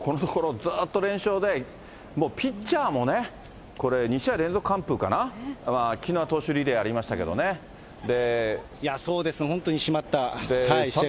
もう、このところ、ずっと連勝で、もうピッチャーもね、これ２試合連続完封かな、きのうは投手リレーありましたけれそうです、本当に締まった試合が続きましたね。